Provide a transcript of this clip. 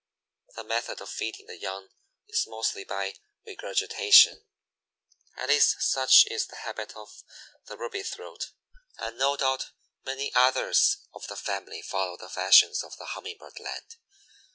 The method of feeding the young is mostly by regurgitation; at least such is the habit of the Ruby throat, and no doubt many others of the family follow the fashions of the Humming bird land.